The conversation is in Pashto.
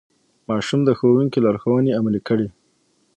ماشوم د ښوونکي لارښوونې عملي کړې